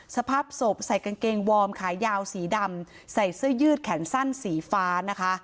สภาพศพใส่กางเกงวอร์มขายาวสีดำใส่เสื้อยืดแขนสั้นสีฟ้านะคะ